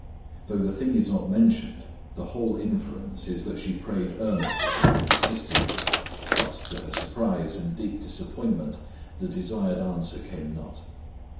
Though the thing is not mentioned the whole inference is that she prayed earnestly and persistently but to her surprise and deep disappointment the desired answer came not.